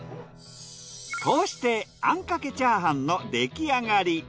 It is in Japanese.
こうしてあんかけチャーハンの出来上がり。